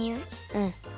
うん。